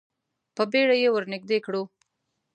په بیړه یې ور نږدې کړو.